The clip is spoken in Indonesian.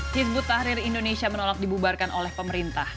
hizbut tahrir indonesia menolak dibubarkan oleh pemerintah